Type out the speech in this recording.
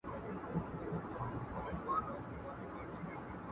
دوی به د غوښتنو د کنټرول لپاره په خپلو اعمالو کي بدلون راوستي وو.